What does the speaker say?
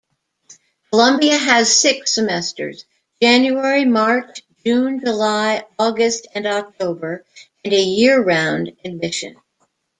Columbia has six semesters: January, March, June, July, August and October; and year-round admission.